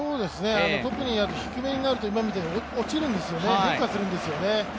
特に低めになると今みたいに落ちるんですよね、変化するんですよね。